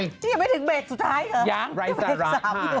ยังไม่ถึงเบรกสุดท้าย